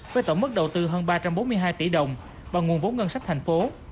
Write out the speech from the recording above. với tổng mức đầu tư hơn ba trăm bốn mươi hai tỷ đồng bằng nguồn vốn ngân sách thành phố